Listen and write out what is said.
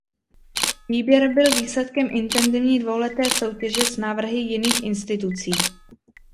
Výběr byl výsledkem intenzivní dvouleté soutěže s návrhy jiných institucí.